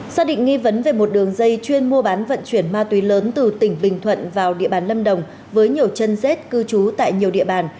xác định nghi vấn về một đường dây chuyên mua bán vận chuyển ma túy lớn từ tỉnh bình thuận vào địa bàn lâm đồng với nhiều chân rết cư trú tại nhiều địa bàn